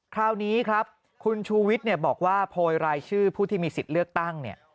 คราวนี้ครับคุณชูวิทย์บอกว่าโพยรายชื่อผู้ที่มีสิทธิ์เลือกตั้งเนี่ย